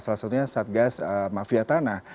salah satunya satgas mafia tanah